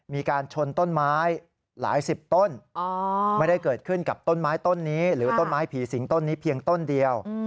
มีการชนต้นไม้หลายสิบต้นไม่ได้เกิดขึ้นกับต้นไม้ต้นนี้หรือต้นไม้ผีสิงต้นนี้เพียงต้นเดียว